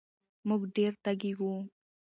مونږ ډېر تږي وو